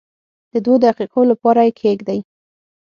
د دوو دقیقو لپاره یې کښېږدئ.